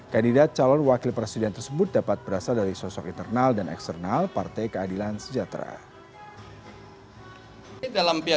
kandidat calon wakil presiden tersebut dapat berasal dari sosok internal dan eksternal partai keadilan sejahtera